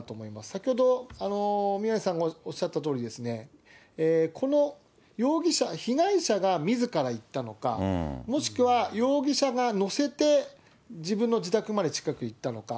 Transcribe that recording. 先ほど、宮根さんがおっしゃったとおり、被害者がみずから行ったのか、もしくは容疑者が乗せて、自分の自宅まで、近く行ったのか。